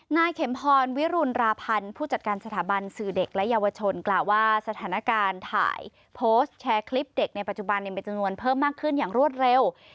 นายเข็มพรวิรุณราพันธ์ผู้จัดการสถาบันสื่อเด็กและเยาวชนกล่าวว่าสถานการณ์ถ่ายโพสต์แชร์คลิปเด็กในปัจจุบันมีจำนวนเพิ่มมากขึ้นอย่างรวดเร็ว